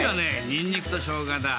にんにくとしょうがだ。